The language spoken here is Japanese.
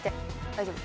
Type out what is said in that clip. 大丈夫？